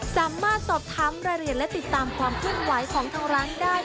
สามารถสอบทำรายเรียนและติดตามความคุ่นไหวของทางร้านได้